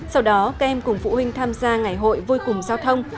sau đó kem cùng phụ huynh tham gia ngày hội vui cùng giao thông